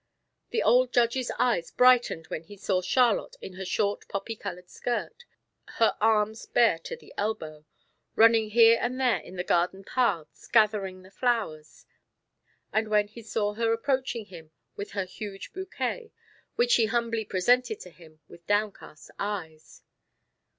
The old Judge's eyes brightened when he saw Charlotte in her short poppy colored skirt, her arms bare to the elbow, running here and there in the garden paths gathering the flowers, and when he saw her approaching him with her huge bouquet, which she humbly presented to him with downcast eyes.